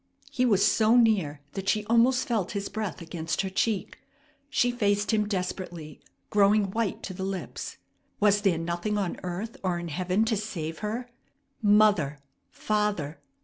He was so near that she almost felt his breath against her cheek. She faced him desperately, growing white to the lips. Was there nothing on earth or in heaven to save her? Mother! Father!